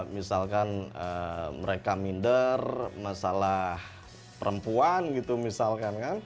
misalkan mereka minder masalah perempuan gitu misalkan kan